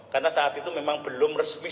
karena saat itu memang belum resmi